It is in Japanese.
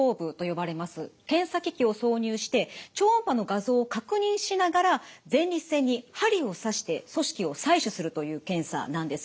検査機器を挿入して超音波の画像を確認しながら前立腺に針を刺して組織を採取するという検査なんです。